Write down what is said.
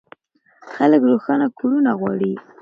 خلک روښانه کورونه غواړي.